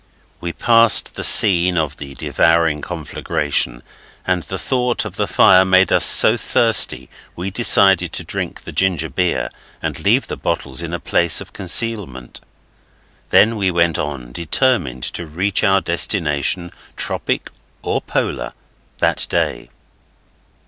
We passed the scene of the devouring conflagration, and the thought of the fire made us so thirsty we decided to drink the ginger beer and leave the bottles in a place of concealment. Then we went on, determined to reach our destination, Tropic or Polar, that day.